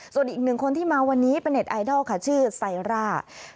ส่วนอีกหนึ่งคนที่มาวันนี้เป็นเน็ตไอดอลค่ะชื่อไซร่า